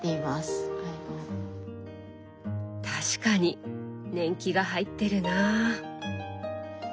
確かに年季が入ってるなあ。